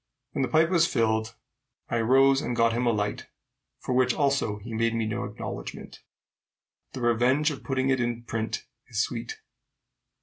When the pipe was filled I rose and got him a light, for which also he made me no acknowledgment. The revenge of putting it in print is sweet.